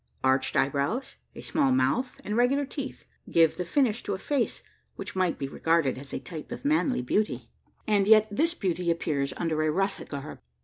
Arched eyebrows, a small mouth, and regular teeth, give the finish to a face which might be regarded as a type of manly beauty. And yet this beauty appears under a russet garb.